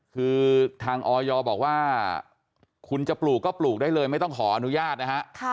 คือทางออยบอกว่าคุณจะปลูกก็ปลูกได้เลยไม่ต้องขออนุญาตนะฮะ